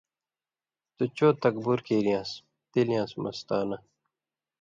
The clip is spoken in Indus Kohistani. تُوۡ چوۡ تکبر کِیریاس تِلیانٚس مستانہ